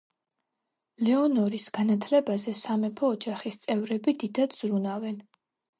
ლეონორის განათლებაზე სამეფო ოჯახის წევრები დიდად ზრუნავენ.